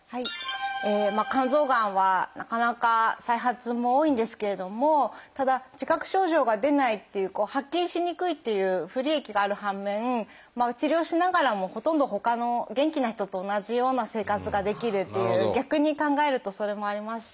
肝臓がんはなかなか再発も多いんですけれどもただ自覚症状が出ないっていう発見しにくいっていう不利益がある反面治療しながらもほとんどほかの元気な人と同じような生活ができるっていう逆に考えるとそれもありますし。